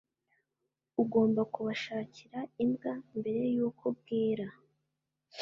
ugomba kubashakira imbwa mbere yuko bwira